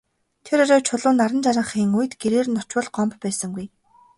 Тэр орой Чулуун наран жаргахын үед гэрээр нь очвол Гомбо байсангүй.